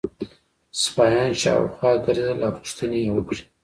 سپاهیان شاوخوا ګرځېدل او پوښتنې یې وکړې.